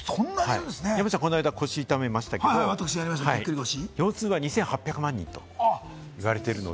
山ちゃん、この間、腰を痛めましたけれども、腰痛は２８００万人と言われているので。